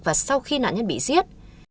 và sau khi nạn nhân bị giết